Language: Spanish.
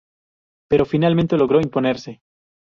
Pero finalmente logró imponerse.